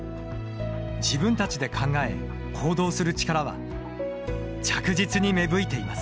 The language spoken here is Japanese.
自分たちで考え、行動する力は着実に芽吹いています。